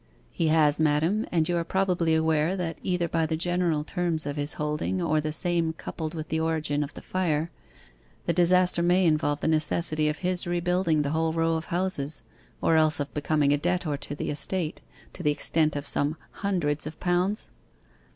'He has, madam, and you are probably aware that either by the general terms of his holding, or the same coupled with the origin of the fire, the disaster may involve the necessity of his rebuilding the whole row of houses, or else of becoming a debtor to the estate, to the extent of some hundreds of pounds?